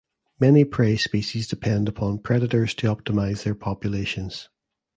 Many prey species depend upon predators to optimize their populations.